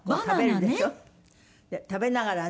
で食べながらね。